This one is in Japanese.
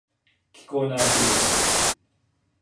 聞こえないふりをする